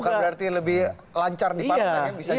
nah bukan berarti lebih lancar di parlement kan bisa jadi